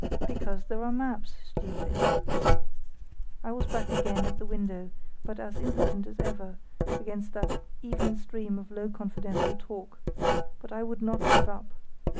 "Because there are maps, stupid!" I was back again at the window, but as impotent as ever against that even stream of low confidential talk. But I would not give up.